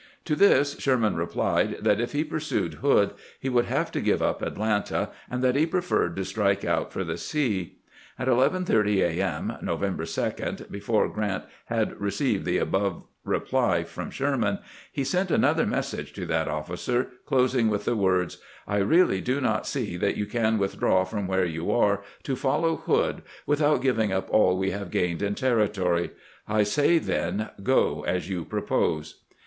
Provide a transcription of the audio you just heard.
To this Sherman replied that if he pursued Hood he would have to give up Atlanta, and that he preferred to strike out for the sea. HOW THE MARCH TO THE SEA WAS EXECUTED 319 At 11 : 30 A. M., November 2, before Grant had received tlie above reply from Sherman, lie sent another message to that officer, closing with the words :" I really do not see that yon can withdraw from where you are to follow Hood without giving up all we have gained in territory. I say, then, go as you propose."